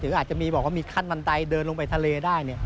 หรืออาจจะบอกว่ามีขั้นบันไดเดินลงไปทะเลได้